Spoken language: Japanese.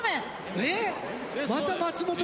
えっ。